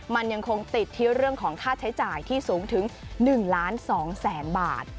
มันยังคงติดที่เรื่องของค่าใช้จ่ายที่สูงถึง๑ล้าน๒แสนบาท